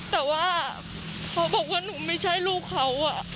แต่ว่าเขาบอกว่าหนูไม่ใช่ลูกเขา